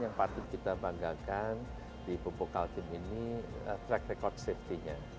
yang patut kita banggakan di pupuk kaltim ini track record safety nya